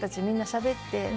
みんなしゃべって。